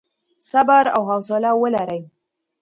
صبر او حوصله ولرئ.